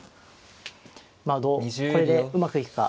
まあこれでうまくいくか。